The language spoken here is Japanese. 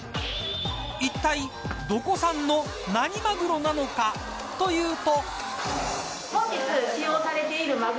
いったい、どこ産の何マグロなのかというと。